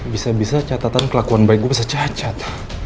bisa bisa catatan kelakuan baik gue bisa cacat